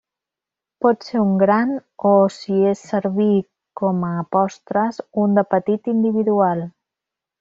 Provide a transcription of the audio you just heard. Pot ser un gran o, si és servir com a postres, un de petit individual.